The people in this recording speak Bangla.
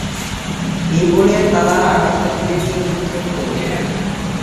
এই বলে তারা আকাশের দিকে তীর নিক্ষেপ করবে।